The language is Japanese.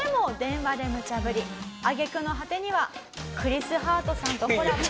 揚げ句の果てにはクリス・ハートさんとコラボ。